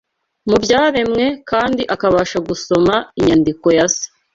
mu byaremwe kandi akabasha gusoma inyandiko ya Se